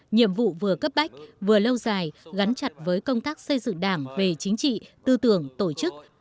nhiệm vụ vừa cấp bách vừa lâu dài gắn chặt với công tác xây dựng đảng về chính trị tư tưởng tổ chức